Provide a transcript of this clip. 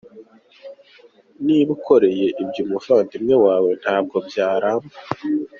Niba ukoreye ibyo umuvandimwe wawe ntabwo byaramba.